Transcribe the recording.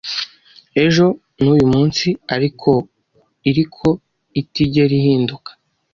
ejo n’uyu munsi ariko iriko itigera ihinduka.